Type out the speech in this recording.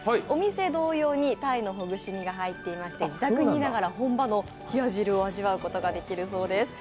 お店同様にたいのほぐし身が入っていまして、自宅にいながら本場の冷や汁を味わうことができるようです。